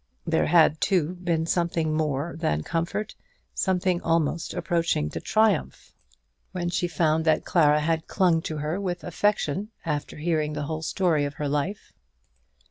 There had, too, been something more than comfort, something almost approaching to triumph, when she found that Clara had clung to her with affection after hearing the whole story of her life.